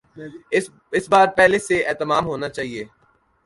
اس بار پہلے سے اہتمام ہونا چاہیے۔